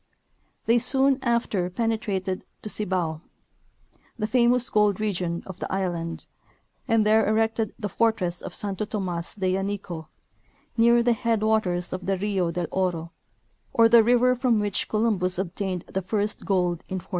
They soon after penetrated the Cibao, the famous gold region of the island, and there erected the fortress of Santo Tomas de Yanico, near the head waters of the Rio del Oro, or the river from which Columbus obtained the first gold in 1492.